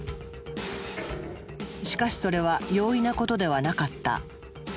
しかしそれは容易なことではなかった。